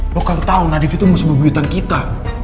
lo kan tau nadif itu mesti berguitan kita